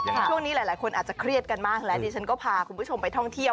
ช่วงนี้หลายคนอาจจะเครียดกันมากแล้วดิฉันก็พาคุณผู้ชมไปท่องเที่ยว